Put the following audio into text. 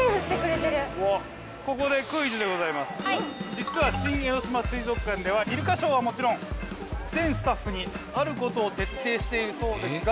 実は新江ノ島水族館ではイルカショーはもちろん全スタッフにある事を徹底しているそうですが。